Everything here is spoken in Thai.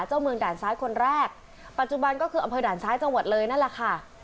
เจ้าเมืองด่านซ้ายคนแรกปัจจุบันก็คืออำเภอด่านซ้ายจังหวัดเลยนั่นแหละค่ะ